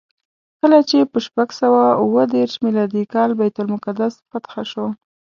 کله چې په شپږ سوه اوه دېرش میلادي کال بیت المقدس فتحه شو.